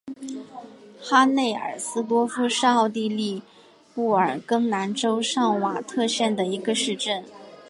哈内尔斯多夫是奥地利布尔根兰州上瓦特县的一个市镇。